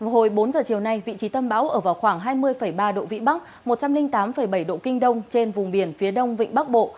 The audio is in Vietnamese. hồi bốn giờ chiều nay vị trí tâm bão ở vào khoảng hai mươi ba độ vĩ bắc một trăm linh tám bảy độ kinh đông trên vùng biển phía đông vịnh bắc bộ